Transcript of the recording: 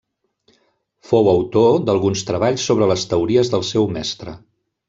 Fou autor d'alguns treballs sobre les teories del seu mestre.